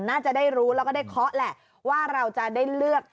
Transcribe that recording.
น่าจะได้รู้แล้วก็ได้เคาะแหละว่าเราจะได้เลือก